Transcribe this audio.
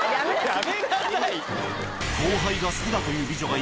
やめなさい！